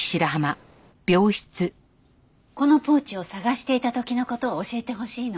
このポーチを捜していた時の事を教えてほしいの。